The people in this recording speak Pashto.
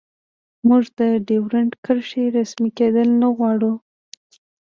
موږ د ډیورنډ کرښې رسمي کیدل نه غواړو